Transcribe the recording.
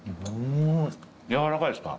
軟らかいですか？